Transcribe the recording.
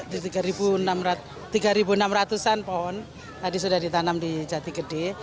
di tiga enam ratus an pohon tadi sudah ditanam di jati gede